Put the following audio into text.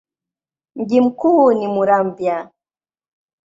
Mji mkuu ni Muramvya.